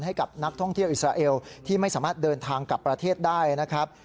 ให้กับนักท่องเที่ยวอิสราเอลที่ไม่สามารถเดินทางกลับประเทศได้นะครับ